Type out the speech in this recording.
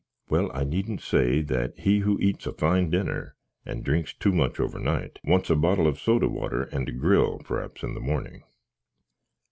Well, I needn't say that he who eats a fine dinner, and drinks too much overnight, wants a bottle of soda water, and a gril, praps, in the mornink.